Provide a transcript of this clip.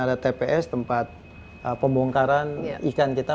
ada tps tempat pembongkaran ikan kita